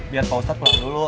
biar pak ustadz pulang dulu